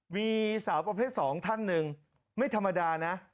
มีสาวประเภท๒ท่านหนึ่งไม่ธรรมดานะ